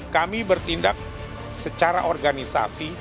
kami bertindak secara organisasi